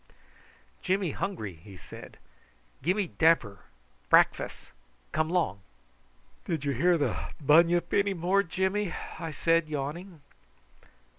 "Jimmy hungry," he said; "gimmy damper brackfass. Come long." "Did you hear the bunyip any more, Jimmy?" I said, yawning.